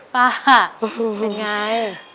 ป้าเป็นไง